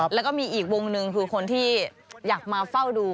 แล้วก็มีอีกวงหนึ่งคือคนที่อยากมาเฝ้าดู